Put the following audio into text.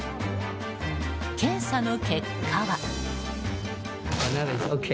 検査の結果は。